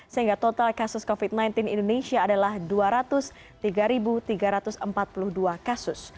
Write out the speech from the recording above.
sehingga total kasus covid sembilan belas indonesia adalah dua ratus tiga tiga ratus empat puluh dua kasus